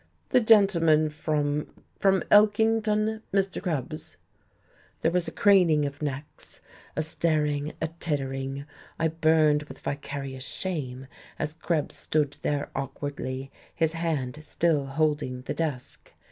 "The gentleman from from Elkington, Mr. Krebs." There was a craning of necks, a staring, a tittering. I burned with vicarious shame as Krebs stood there awkwardly, his hand still holding the desk.